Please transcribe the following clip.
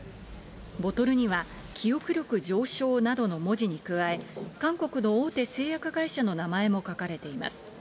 ボトルには、記憶力上昇などの文字に加え、韓国の大手製薬会社の名前も書かれています。